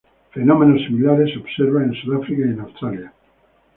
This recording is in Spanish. Fenómenos similares se observan en Sudáfrica y en Australia.